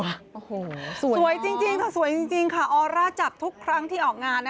โอ้โหสวยจริงเธอสวยจริงค่ะออร่าจับทุกครั้งที่ออกงานนะ